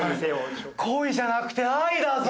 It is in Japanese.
恋じゃなくて愛だぞ。